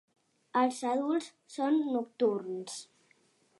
Els adults són nocturns.